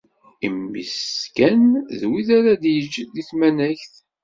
I mmi-s kan d wid ara d-yeǧǧ deg tmanegt.